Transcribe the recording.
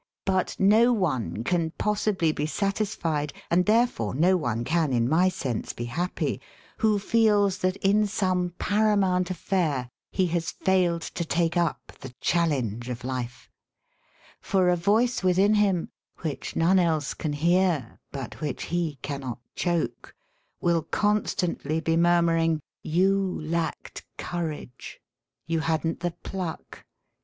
But no one can possibly be satis fied, and therefore no one can in my sense be happy, who feels that in some paramoimt affair he has failed to take up the challenge of life. For a voice within him, which none else can hear, but 22 SELF AND SELF MANAGEMENT which he cannot choke, will constantly be mur^ muring: "You lacked courage. You hadn't the pluck.